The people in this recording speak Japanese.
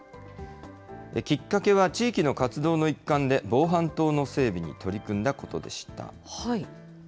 きっかけは地域の活動の一環で、防犯灯の整備に取り組んだことでした。